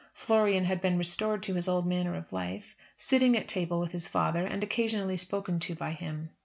Florian had been restored to his old manner of life; sitting at table with his father and occasionally spoken to by him.